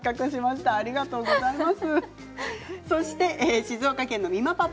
ありがとうございます。